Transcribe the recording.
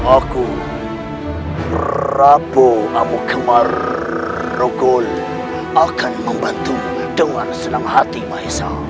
aku rabu amu kemarugul akan membantumu dengan senang hati mahesa